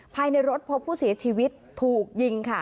ภายในรถพบผู้เสียชีวิตถูกยิงค่ะ